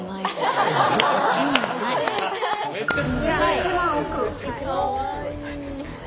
一番奥。